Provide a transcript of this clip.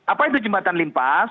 apa itu jembatan limpas